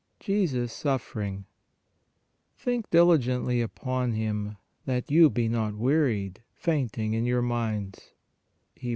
JESUS SUFFERING "Think diligently upon Him, ... that you be not wearied, fainting in your minds" (Hebr.